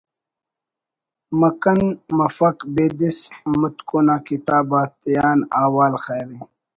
مکھن مفک بیدس متکن آ کتاب آتیان حوال خیر ءِ